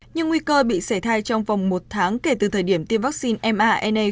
nhưng nguy cơ bị sởi thai trong vòng một tháng kể từ thời điểm tiêm vaccine mrna